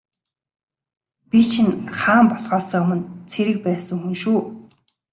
Би чинь хаан болохоосоо өмнө цэрэг байсан хүн шүү.